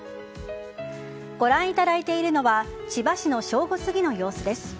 ご覧いただいているのは千葉市の正午すぎの様子です。